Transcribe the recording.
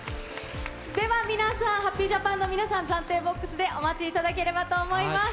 では皆さん、ハッピージャパンの皆さん、暫定ボックスでお待ちいただければと思います。